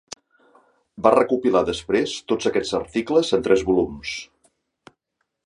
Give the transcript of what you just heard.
Va recopilar després tots aquests articles en tres volums.